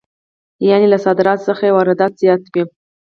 یانې له صادراتو څخه یې واردات زیات وي